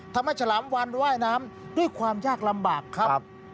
ฉลามวันว่ายน้ำด้วยความยากลำบากครับ